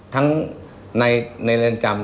ทั้งในเรือนจำ